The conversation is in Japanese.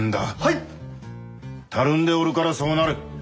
たるんでおるからそうなる！